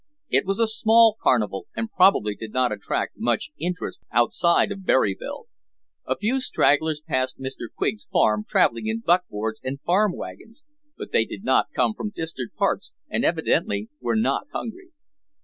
It was a small carnival and probably did not attract much interest outside of Berryville. A few stragglers passed Mr. Quig's farm traveling in buck boards and farm wagons, but they did not come from distant parts and evidently were not hungry.